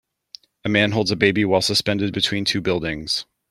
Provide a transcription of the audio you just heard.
A man holds a baby while suspended between two buildings.